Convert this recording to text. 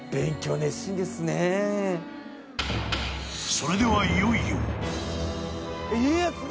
［それではいよいよ］